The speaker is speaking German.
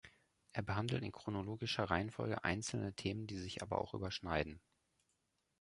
Er behandelt in chronologischer Reihenfolge einzelne Themen, die sich aber auch überschneiden.